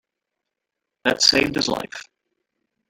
That saved his life.